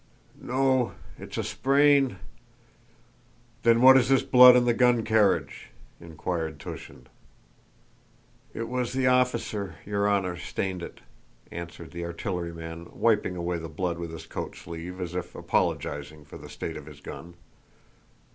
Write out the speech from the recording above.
"No, it's a sprain." "Then what is this blood on the gun carriage?" inquired Túshin. "It was the officer, your honor, stained it," answered the artilleryman, wiping away the blood with his coat sleeve, as if apologizing for the state of his gun.